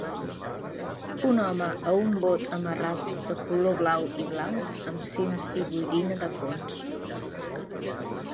Un home a un bot amarrat de color blau i blanc amb cims i boirina de fons.